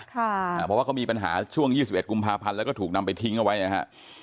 เพราะว่าเขามีปัญหาช่วง๒๑กุมภาพันธ์แล้วก็ถูกนำไปทิ้งเอาไว้นะฮะ